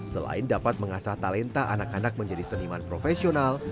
selain dapat mengasah talenta anak anak menjadi seniman profesional